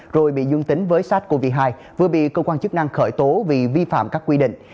rồi bị dương tính với sars cov hai vừa bị cơ quan chức năng khởi tố vì vi phạm các quy định